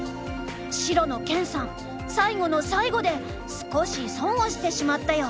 白の研さん最後の最後で少し損をしてしまったよ。